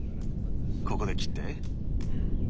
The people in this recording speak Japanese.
ここで切って。